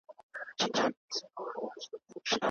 ما مخکي د ورزش کولو تمرين کړی وو.